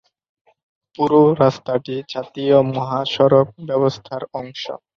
পুরো রাস্তাটি জাতীয় মহাসড়ক ব্যবস্থার অংশ।